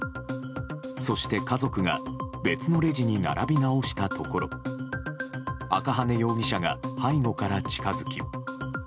そして、家族が別のレジに並び直したところ赤羽容疑者が背後から近づき。